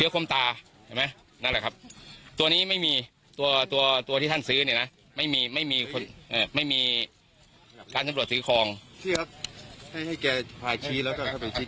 ครับแล้วก็จะเอาตรงที่ท่านซื้อใหม่นะครับตรงไหนครับ